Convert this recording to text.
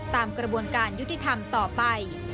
ตามกระบวนการยุติธรรมต่อไป